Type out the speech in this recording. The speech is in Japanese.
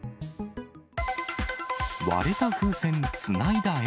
割れた風船つないだ縁。